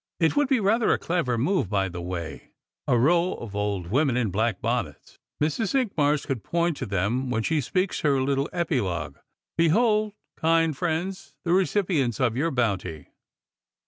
It would be rather a clever move, by the way, a row of old women in black bonnets. Mrs. Cinqmars could point to them when she speaks her little epi logue :' Behold, kind friends, the recipients of your bounty.'